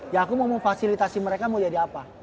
ya aku mau memfasilitasi mereka mau jadi apa